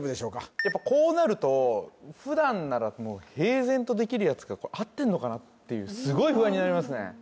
やっぱこうなると普段ならもう平然とできるやつが合ってんのかなっていうすごい不安になりますね